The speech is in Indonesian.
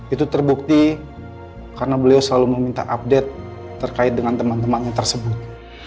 itu terbukti karena beliau selalu meminta update terkait dengan teman temannya tersebut